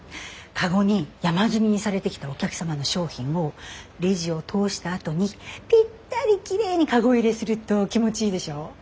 籠に山積みにされてきたお客様の商品をレジを通したあとにぴったりキレイに籠入れすると気持ちいいでしょ？